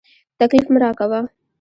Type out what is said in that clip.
تکليف مه راکوه.